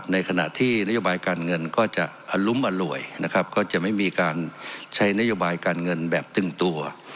ในขณะที่นโยบายการเงินก็จะอรุ้มอร่วยนะครับก็จะไม่มีการใช้นโยบายการเงินแบบตึงตัว